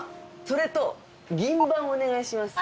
それと銀盤お願いします。